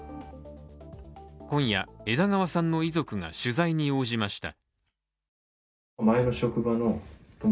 今夜、枝川さんの遺族が取材に応じました。